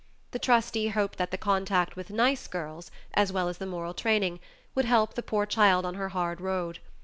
The trustee hoped that the contact with nice girls, as well as the moral training, would help the poor child on her hard road.